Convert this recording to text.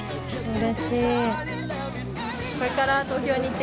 うれしい。